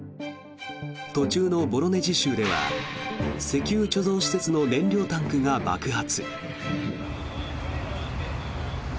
途中のボロネジ州では石油貯蔵施設の燃料タンクが爆発。